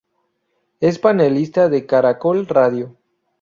Es panelista de Caracol Radio.